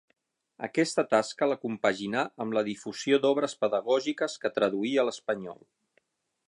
Aquesta tasca la compaginà amb la difusió d'obres pedagògiques, que traduí a l'espanyol.